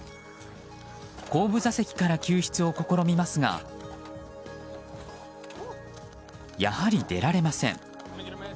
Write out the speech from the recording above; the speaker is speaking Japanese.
後部座席から救出を試みますがやはり、出られません。